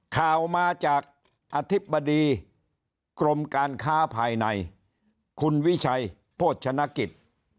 ข่าวมาจากอธิบดีกรมการค้าภายในคุณวิชัยโภชนกิจ